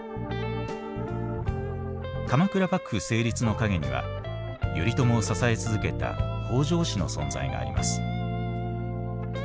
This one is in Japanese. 鎌倉幕府成立の陰には頼朝を支え続けた北条氏の存在があります。